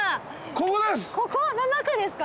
ここの中ですか？